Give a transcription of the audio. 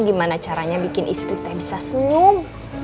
gimana caranya bikin istri teh bisa senyum